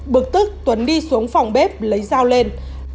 bực tức tuấn đi xuống phòng bếp lấy dao lên